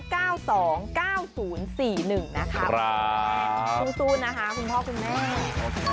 ครับคุ้มศูนย์นะคะคุณพ่อคุณแม่โอเค